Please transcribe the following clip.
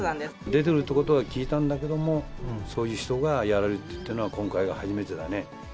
出てるということは聞いたんだけれども、そういう人がやられるというのは、今回が初めてだね。